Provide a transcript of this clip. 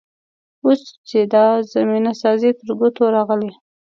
اوس چې دا زمینه سازي تر ګوتو راغلې.